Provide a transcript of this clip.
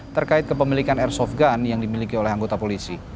terkait kepemilikan airsoft gun yang dimiliki oleh anggota polisi